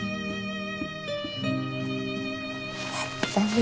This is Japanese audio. やったね。